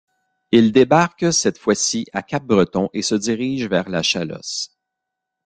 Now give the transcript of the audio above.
Ils débarquent cette fois-ci à Capbreton et se dirigent vers la Chalosse.